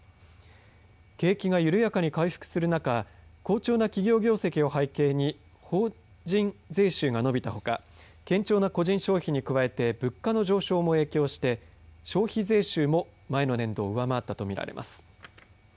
景気が緩やかに回復する中好調な企業業績を背景に法人税収が伸びたほか堅調な個人消費に加えて物価の上昇も影響して消費税収も前の年度を上回ったと見られます。